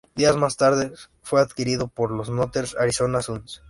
Días más tarde fue adquirido por los Northern Arizona Suns.